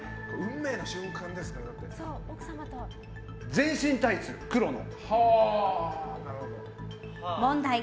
全身タイツ、黒の。